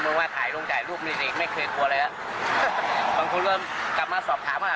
ว่าถ่ายลงถ่ายรูปนี่เองไม่เคยกลัวอะไรแล้วบางคนก็กลับมาสอบถามว่า